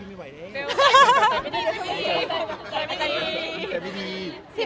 มันเป็นปัญหาจัดการอะไรครับ